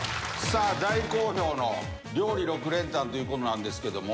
さあ大好評の料理６連単という事なんですけども。